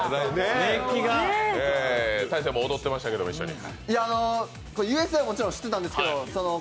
大晴も踊ってましたけど、一緒に。